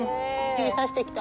日さしてきた。